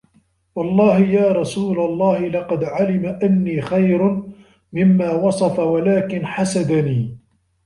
وَاَللَّهِ يَا رَسُولَ اللَّهِ لَقَدْ عَلِمَ أَنِّي خَيْرٌ مِمَّا وَصَفَ وَلَكِنْ حَسَدَنِي